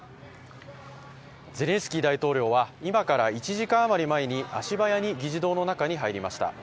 ゼレンスキー大統領は今から１時間余り前に足早に議事堂の中に入りました。